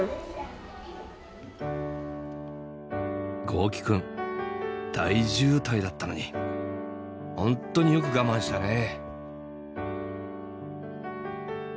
豪輝くん大渋滞だったのに本当によく我慢したね。